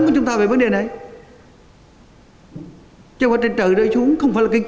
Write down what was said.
vẫn còn tình trạng này có thể thiệt hại rất lớn cho nền kinh tế